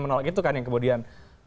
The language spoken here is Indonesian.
menolak itu kan yang kemudian